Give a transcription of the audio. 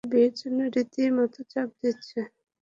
তিনি পাগল হয়ে যাচ্ছে, বিয়ের জন্য রীতি মতো চাপ দিচ্ছে।